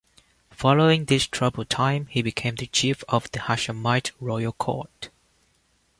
Following this troubled time he became the chief of the Hashemite Royal Court.